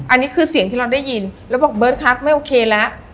อันนี้คือเสียงที่เราได้ยินแล้วบอกเบิร์ตครับไม่โอเคแล้ว